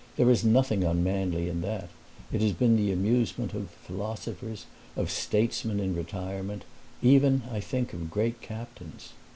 There is nothing unmanly in that: it has been the amusement of philosophers, of statesmen in retirement; even I think of great captains."